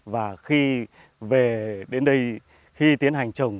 và khi về đến đây khi tiến hành trồng